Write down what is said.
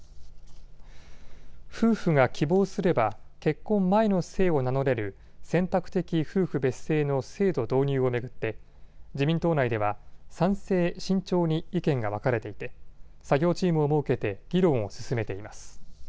夫婦が希望すれば結婚前の姓を名乗れる選択的夫婦別姓の制度導入を巡って、自民党内では賛成、慎重に意見が分かれていて作業チームを設けて議論を進めています。